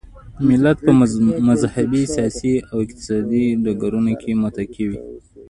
ملت په مذهبي، سیاسي او اقتصادي ډګرونو کې متکي وي.